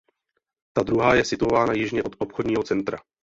Ta druhá je situována jižně od obchodního centra.